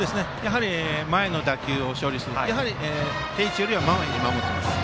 前の打球を処理するために定位置よりは前に守っています。